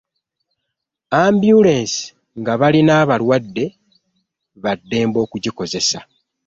Ambyulensi ,ng'abalina abalwadde baddembe okuzikozesa